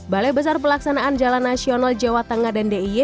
balai besar pelaksanaan jalan nasional jawa tengah dan diy